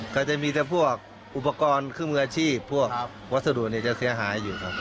ก็จะมีแต่พวกอุปกรณ์เครื่องมืออาชีพพวกวัสดุจะเสียหายอยู่ครับ